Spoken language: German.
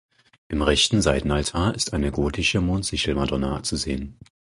Im rechten Seitenaltar ist eine gotische Mondsichelmadonna zu sehen.